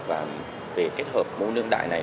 về kết hợp môn đương đại này